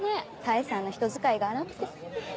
妙さんの人使いが荒くて。